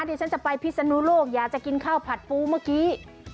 ดิฉันจะไปพิศนุโลกอยากจะกินข้าวผัดปูเมื่อกี้